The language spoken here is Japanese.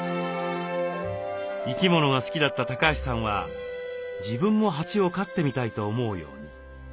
生き物が好きだった橋さんは自分も蜂を飼ってみたいと思うように。